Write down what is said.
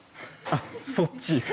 あっそっち？